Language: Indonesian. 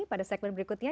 pada segmen berikutnya